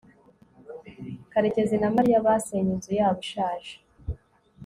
karekezi na mariya basenye inzu yabo ishaje